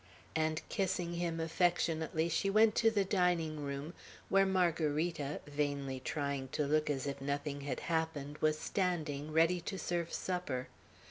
And kissing him affectionately, she went to the dining room, where Margarita, vainly trying to look as if nothing had happened, was standing, ready to serve supper.